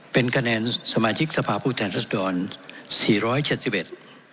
เป็นคะแนนสมาชิกสภาพผู้แทนรัศดรสี่ร้อยเจ็ดสิบเอ็ด